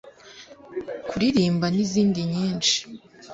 kuririmba n’izindi nyinshi